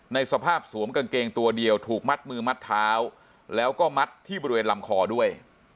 ในสภาพสวมกางเกงตัวเดียวถูกมัดมือมัดเท้าแล้วก็มัดที่บริเวณลำคอด้วย